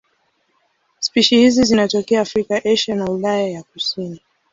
Spishi hizi zinatokea Afrika, Asia na Ulaya ya kusini.